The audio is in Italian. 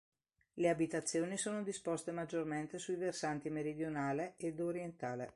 Le abitazioni sono disposte maggiormente sui versanti meridionale ed orientale.